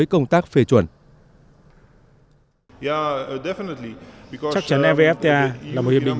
chắc chắn evfta là một hiệp định